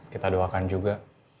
kita doakan juga